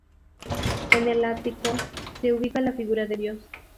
En el ático se ubica la figura de Dios.